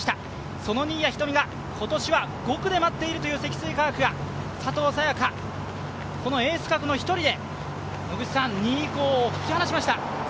その新谷仁美が今年は５区で待っているという積水化学が佐藤早也伽、このエース格の１人で野口さん、２位以降を引き離しました。